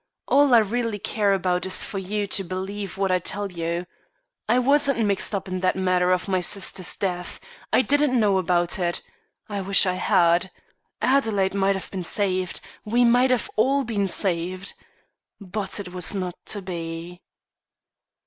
All I really care about is for you to believe what I tell you. I wasn't mixed up in that matter of my sister's death. I didn't know about it I wish I had. Adelaide might have been saved; we might all have been saved; _but it was not to be.